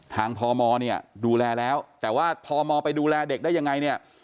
พมเนี่ยดูแลแล้วแต่ว่าพมไปดูแลเด็กได้ยังไงเนี่ย